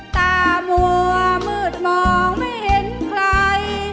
ตามัวมืดมองไม่เห็นใคร